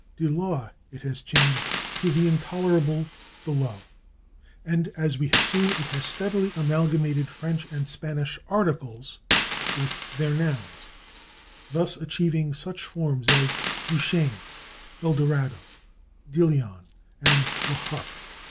/De Laux/ it has changed to the intolerable /Dlo/. And, as we have seen, it has steadily amalgamated French and Spanish articles with their nouns, thus achieving such forms as /Duchesne/, /Eldorado/, /Deleon/ and /Laharpe